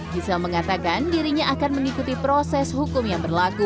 gisela mengatakan dirinya akan mengikuti proses hukum yang berlaku